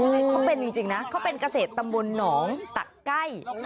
ใช่เขาเป็นจริงนะเขาเป็นเกษตรตำบลหนองตะไก้